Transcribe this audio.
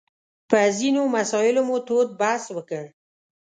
په ځینو مسایلو مو تود بحث وکړ.